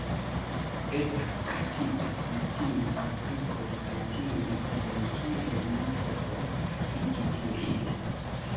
Estas precize kun tiuj fabrikoj kaj tiuj homoj kiel ni povos havigi ilin.